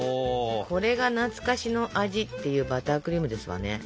これが懐かしの味っていうバタークリームですわね。